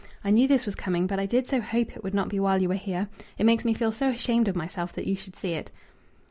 I knew this was coming, but I did so hope it would not be while you were here. It makes me feel so ashamed of myself that you should see it."